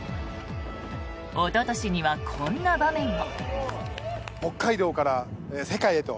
おととしにはこんな場面も。